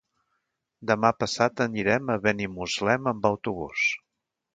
Demà passat anirem a Benimuslem amb autobús.